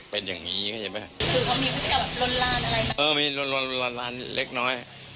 พี่สมหมายก็เลย